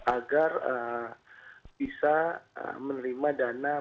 agar bisa menerima dari j garrett